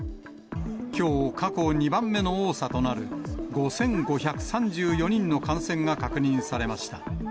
きょう、過去２番目の多さとなる５５３４人の感染が確認されました。